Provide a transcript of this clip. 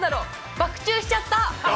バク宙しちゃった？